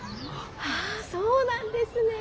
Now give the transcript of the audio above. ああそうなんですね。